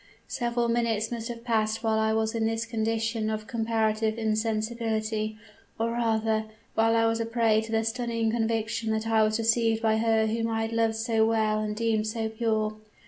Several minutes must have passed while I was in this condition of comparative insensibility; or rather while I was a prey to the stunning conviction that I was deceived by her whom I had loved so well and deemed so pure.